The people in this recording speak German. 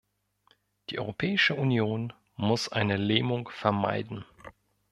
Die Europäische Union muss eine Lähmung vermeiden.